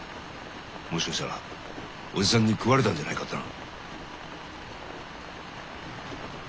もしかしたらおじさんに食われたんじゃないかってな。